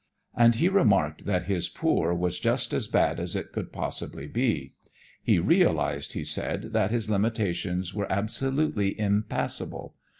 And he remarked that his poor was just as bad as it could possibly be. He realized, he said, that his limitations were absolutely impassable.